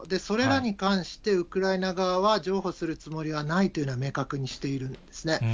それらに関してウクライナ側は譲歩するつもりはないというのは明確にしているんですね。